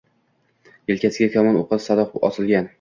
Yelkasiga kamon o‘qli sadoq osilgan.